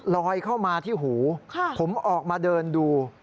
ลอยเข้ามาที่หูผมออกมาเดินดู